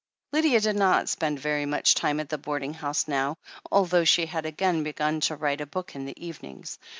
THE HEEL OF ACHILLES 263 Lydia did not spend very much time at the boarding house now, although she had again begun to write a book in the evenings.